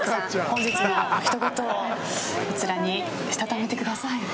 本日のひと言をこちらにしたためてください。